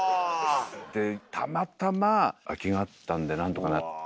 でたまたま空きがあったんで何とかなって。